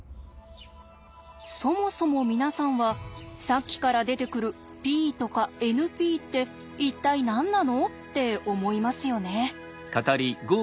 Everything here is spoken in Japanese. そもそも皆さんはさっきから出てくるＰとかＮＰって一体何なの？って思いますよね。